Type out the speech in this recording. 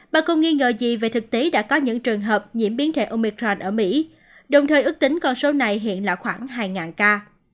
bà con nghi ngờ gì về thực tế đã có những trường hợp nhiễm biến thể omicrand ở mỹ đồng thời ước tính con số này hiện là khoảng hai ca